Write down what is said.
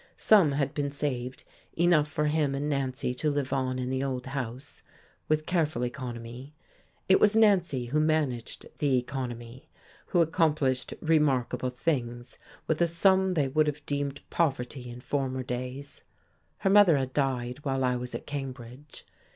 Some had been saved enough for him and Nancy to live on in the old house, with careful economy. It was Nancy who managed the economy, who accomplished remarkable things with a sum they would have deemed poverty in former days. Her mother had died while I was at Cambridge.